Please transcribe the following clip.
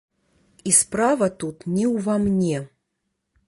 І справа тут не ўва мне.